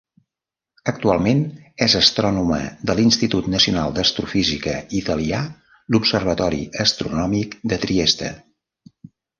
Actualment és astrònoma de l'Institut Nacional d'Astrofísica italià l'Observatori astronòmic de Trieste.